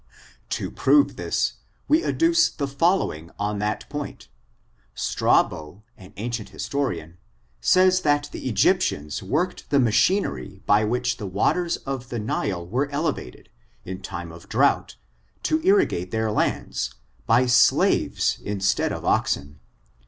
To prove this, we adduce the following on that point: Strabo, an ancient historian, says that the Egyptians worked the machinery by which the wa ters of the Nile were elevated, in time of drought, to irrigate their lands, by slaves instead of oxen.